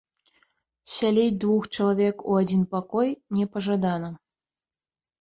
Сяліць двух чалавек у адзін пакой не пажадана.